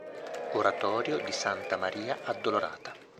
Oratorio di Santa Maria Addolorata